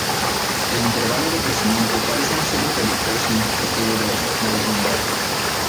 El intervalo de crecimiento parece no ser un predictor significativo de malignidad.